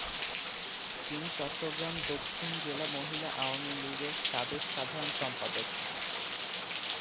তিনি চট্টগ্রাম দক্ষিণ জেলা মহিলা আওয়ামীলীগের সাবেক সাধারণ সম্পাদক।